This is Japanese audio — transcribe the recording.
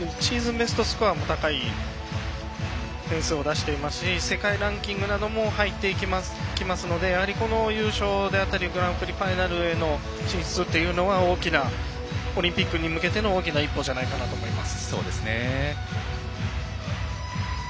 ベストスコアも高い点数を出していますし世界ランキングなども入ってきますのでやはり、この優勝であったりグランプリファイナルへの進出っていうのはオリンピックに向けての大きな一歩じゃないかなと思います。